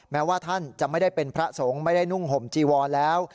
แม้ว่าท่านจะไม่ได้เป็นพระสงฆ์ไม่ได้นุ่งห่มจีวรแล้ว